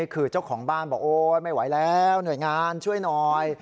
คือเจ้าของบ้านบอกโอ๊ยไม่ไหวแล้วหน่วยงานช่วยหน่อย